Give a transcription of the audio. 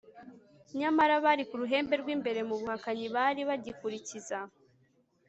nyamara abari ku ruhembe rw'imbere mu buhakanyi bari bagikurikiza